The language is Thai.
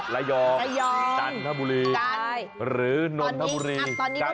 ระยองตันทะบุรีหรือนนทะบุรีต้านยาว